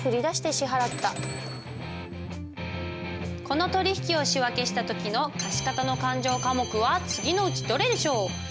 この取引を仕訳した時の貸方の勘定科目は次のうちどれでしょう？